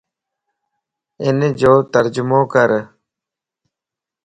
انَ جو ترجمو ڪَر